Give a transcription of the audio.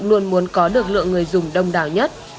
luôn muốn có được lượng người dùng đông đảo nhất